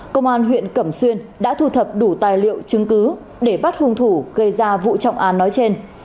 công an huyện cẩm xuyên đã thu thập đủ tài liệu chứng cứ để bắt hung thủ gây ra vụ trọng án nói trên